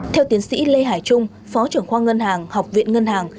theo tiến sĩ lê hải trung phó trưởng khoa ngân hàng học viện ngân hàng